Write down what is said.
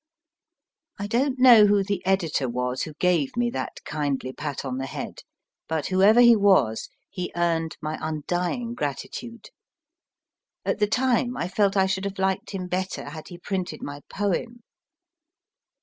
I don t know who the editor was who gave me that kindly pat on the head, but whoever he was he earned my undying gratitude. At the time I felt I should have liked him better had he printed my poem.